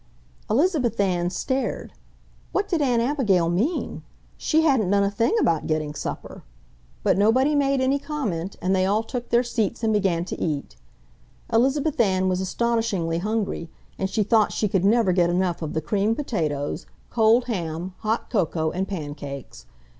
Elizabeth Ann stared. What did Aunt Abigail mean? She hadn't done a thing about getting supper! But nobody made any comment, and they all took their seats and began to eat. Elizabeth Ann was astonishingly hungry, and she thought she could never get enough of the creamed potatoes, cold ham, hot cocoa, and pancakes.